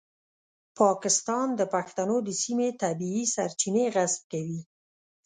پاکستان د پښتنو د سیمې طبیعي سرچینې غصب کوي.